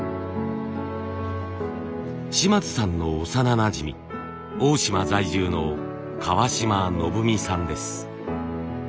島津さんの幼なじみ大島在住の川島信美さんです。